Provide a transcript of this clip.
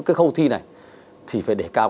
cái khâu thi này thì phải để cao